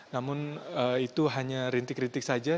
namun itu hanya rintik rintik saja